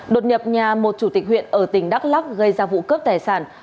đột nhập nhà một chủ tịch huyện ở tỉnh đắk lắc gây ra vụ cướp tài sản